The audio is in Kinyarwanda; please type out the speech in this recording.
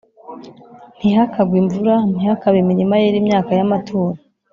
ntihakagwe imvura, Ntihakabe imirima yera imyaka y’amaturo